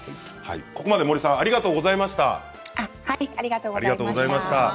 ここまで森さんありがとうございました。